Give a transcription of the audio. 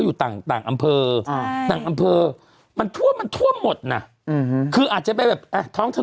อย่างโคลอาทเนี่ยอาจจะได้แต่อย่างเชษยภูมิอย่างนี้